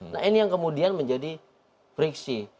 nah ini yang kemudian menjadi friksi